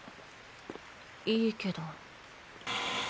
いいけど。